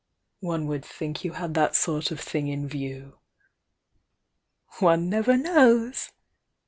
"One would think you had that sort of thing in view!" "One never knows!"